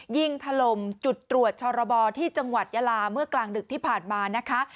ยิงถล่มจุดตรวจชรบที่จังหวัดยาลาเมื่อกลางดึกที่ผ่านมานะคะ